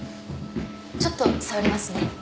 ちょっと触りますね。